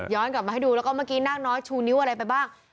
กลับมาให้ดูแล้วก็เมื่อกี้นาคน้อยชูนิ้วอะไรไปบ้าง